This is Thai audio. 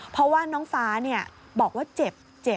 เพราะว่าน้องฟ้าบอกว่าเจ็บเจ็บ